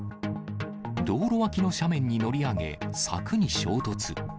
道路脇の斜面に乗り上げ、柵に衝突。